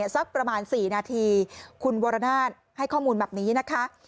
สักประมาณ๔นาทีคุณวรนาศให้ข้อมูลแบบนี้นะคะ